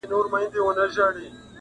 لکه چې زه ورپسې سنګه ناقلاره وومه